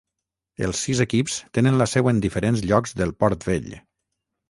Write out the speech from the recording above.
Els sis equips tenen la seu en diferents llocs del Port Vell